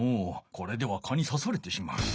これでは蚊にさされてしまう。